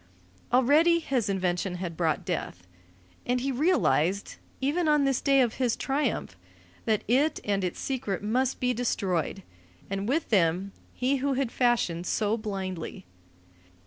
Already his invention had brought death. And he realized even on this day of his triumph that it and its secret must be destroyed, and with them he who had fashioned so blindly.